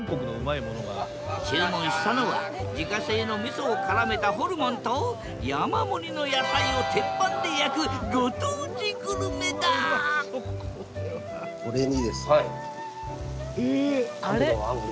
注文したのは自家製のみそをからめたホルモンと山盛りの野菜を鉄板で焼くこれにですね。